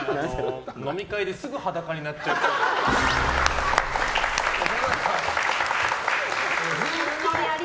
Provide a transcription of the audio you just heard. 飲み会ですぐ裸になっちゃうっぽい。